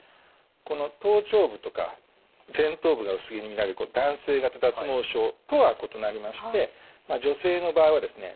この頭頂部とか前頭部が薄毛にみられる男性型脱毛症とは異なりまして女性の場合はですね